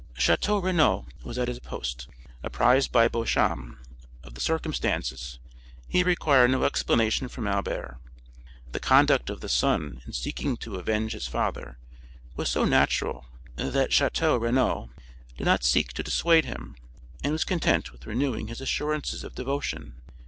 40221m Château Renaud was at his post; apprised by Beauchamp of the circumstances, he required no explanation from Albert. The conduct of the son in seeking to avenge his father was so natural that Château Renaud did not seek to dissuade him, and was content with renewing his assurances of devotion.